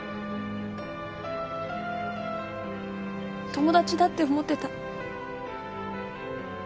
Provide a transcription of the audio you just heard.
友達だって思ってた。